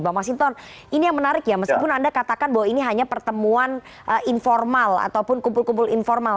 bang masinton ini yang menarik ya meskipun anda katakan bahwa ini hanya pertemuan informal ataupun kumpul kumpul informal